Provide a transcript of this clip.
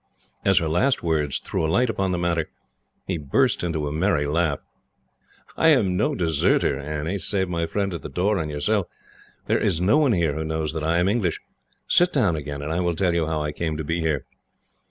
As her last words threw a light upon the matter, he burst into a merry laugh. "I am no deserter, Annie. Save my friend at the door and yourself, there is no one here who knows that I am English. Sit down again, and I will tell you how I come to be here.